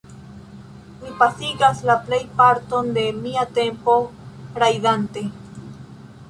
Mi pasigas la plejparton de mia tempo rajdante.